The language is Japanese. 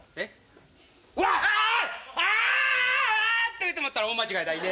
て言うと思ったら大間違いだいね。